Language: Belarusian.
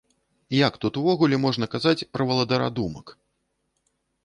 Як тут увогуле можна казаць пра валадара думак?